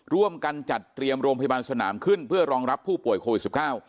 ร่วมกันจัดเตรียมโรงพยาบาลสนามขึ้นเพื่อรองรับผู้ป่วยโควิดสิบเก้า